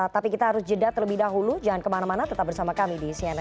tapi kita harus jeda terlebih dahulu jangan kemana mana tetap bersama kami di cnn indonesia